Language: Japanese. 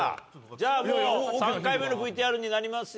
じゃあもう３回目のＶＴＲになりますよ。